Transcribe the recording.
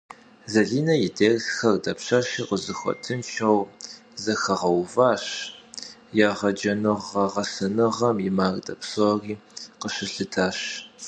Zaline yi dêrsxer dapşeşi khızıxuetınşşeu zexeğeuvaş, yêğecenığe - ğesenığem yi marde psori khışılhıtaş.